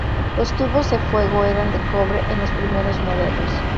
Los tubos de fuego eran de cobre en los primeros modelos.